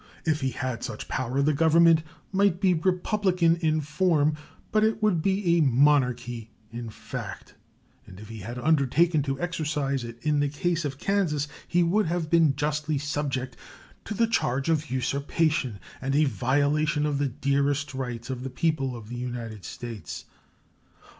If he had such power the Government might be republican in form, but it would be a monarchy in fact; and if he had undertaken to exercise it in the case of Kansas he would have been justly subject to the charge of usurpation and of violation of the dearest rights of the people of the United States.